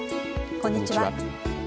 こんにちは。